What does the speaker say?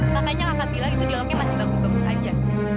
makanya kakak bilang itu dialognya masih bagus bagus saja